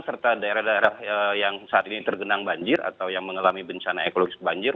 serta daerah daerah yang saat ini tergenang banjir atau yang mengalami bencana ekologis banjir